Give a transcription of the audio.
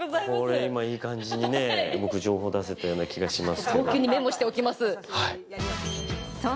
これ今いい感じに情報出せたような気がします。